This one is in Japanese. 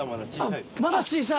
まだ小さい！